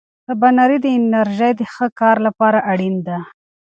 سباناري د انرژۍ د ښه کار لپاره اړینه ده.